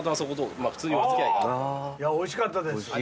おいしかったです。